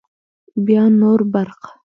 بیا نور برق